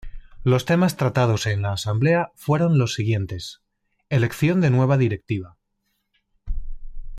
Los temas tratados en la Asamblea fueron los siguientes: Elección de nueva directiva.